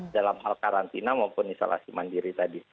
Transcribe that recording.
dalam hal karantina maupun isolasi mandiri tadi